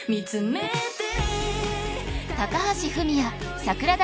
高橋文哉桜田